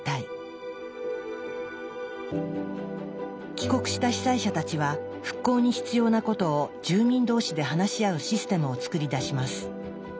帰国した被災者たちは復興に必要なことを住民同士で話し合うシステムを作り出します。